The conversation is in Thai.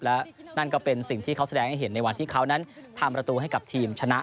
และนั่นก็เป็นสิ่งที่เขาแสดงให้เห็นในวันที่เขานั้นทำประตูให้กับทีมชนะ